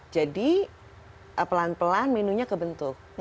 jadi pelan pelan menunya kebentuk